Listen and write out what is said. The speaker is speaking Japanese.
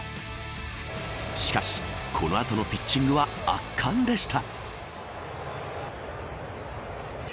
しかし、この後のピッチングは圧巻でした。